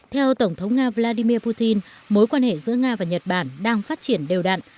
theo tổng thống nga vladimir putin mối quan hệ giữa nga và nhật bản đang phát triển đều đặn